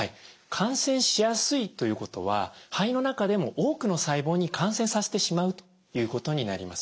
感染しやすいということは肺の中でも多くの細胞に感染させてしまうということになります。